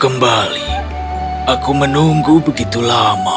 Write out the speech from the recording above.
kembali aku menunggu begitu lama